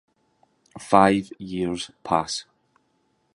Five years pass.